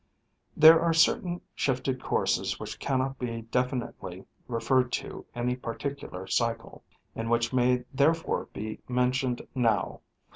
— There are certain shifted courses which cannot be definitely referred to any particu lar cycle, and which may therefore be mentioned now.